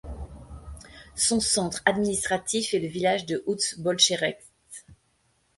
Son centre administratif est le village de Oust-Bolcheretsk.